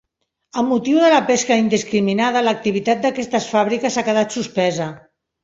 Amb motiu de la pesca indiscriminada, l'activitat d'aquestes fàbriques ha quedat suspesa.